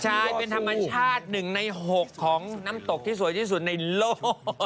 ใช่เป็นธรรมชาติ๑ใน๖ของน้ำตกที่สวยที่สุดในโลก